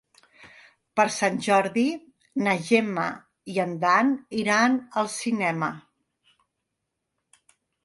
Per Sant Jordi na Gemma i en Dan iran al cinema.